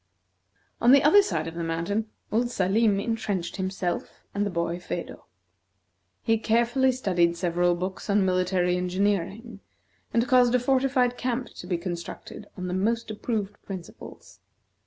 On the other side of the mountain, old Salim intrenched himself and the boy, Phedo. He carefully studied several books on military engineering, and caused a fortified camp to be constructed on the most approved principles.